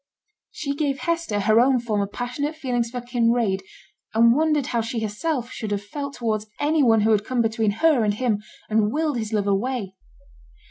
She gave Hester her own former passionate feelings for Kinraid, and wondered how she herself should have felt towards any one who had come between her and him, and wiled his love away.